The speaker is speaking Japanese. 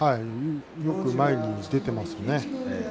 よく前に出ていますね。